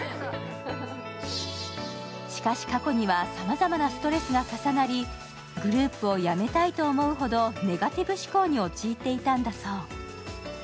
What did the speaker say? しかし、過去にはさまざまなストレスが重なり、グループを辞めたいと思うほどネガティブ思考に陥っていたんだそう。